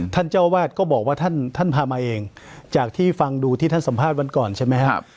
เจ้าวาดก็บอกว่าท่านท่านพามาเองจากที่ฟังดูที่ท่านสัมภาษณ์วันก่อนใช่ไหมครับ